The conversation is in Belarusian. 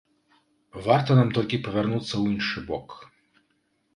Варта нам толькі павярнуцца ў іншы бок.